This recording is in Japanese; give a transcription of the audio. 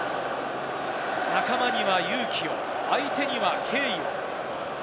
仲間には勇気を、相手には敬意を。